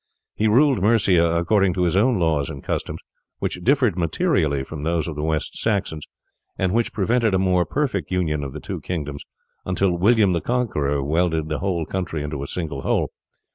He ruled Mercia according to its own laws and customs, which differed materially from those of the West Saxons, and which prevented a more perfect union of the two kingdoms until William the Conqueror welded the whole country into a single whole.